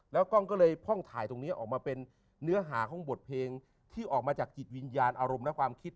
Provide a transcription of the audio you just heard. กล้องก็เลยพ่องถ่ายตรงนี้ออกมาเป็นเนื้อหาของบทเพลงที่ออกมาจากจิตวิญญาณอารมณ์และความคิด